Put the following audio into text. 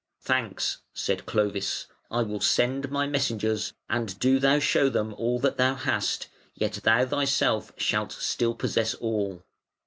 "Thanks", said Clovis, "I will send my messengers, and do thou show them all that thou hast, yet thou thyself shalt still possess all".